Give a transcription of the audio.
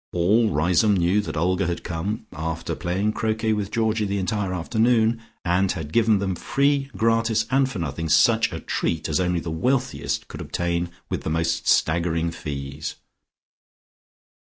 All Riseholme knew that Olga had come (after playing croquet with Georgie the entire afternoon) and had given them free gratis and for nothing, such a treat as only the wealthiest could obtain with the most staggering fees.